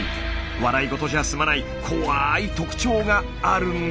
笑い事じゃ済まない怖い特徴があるんです。